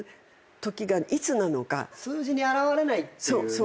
数字に表れないっていうね。